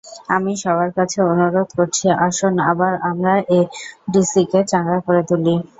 আমি সবার কাছে অনুরোধ করছি, আসুন আবার আমরা এফডিসিকে চাঙা করে তুলি।